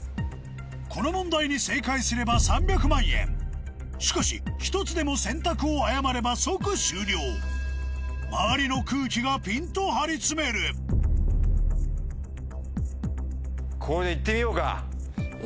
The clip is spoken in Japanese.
この問題に正解すれば３００万円しかし１つでも選択を誤れば即終了周りの空気がぴんと張り詰める押したれよ！